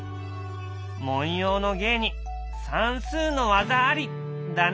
文様の芸に算数の技あり！だね。